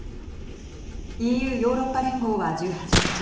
ＥＵ＝ヨーロッパ連合は１８日